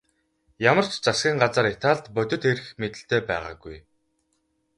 Ямар ч засгийн газар Италид бодит эрх мэдэлтэй байгаагүй.